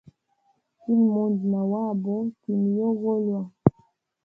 Kila mundu na wabo kinwe yogolwa.